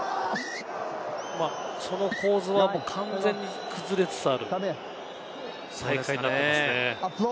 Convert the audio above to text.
その構図は完全に崩れつつある大会になっていますね。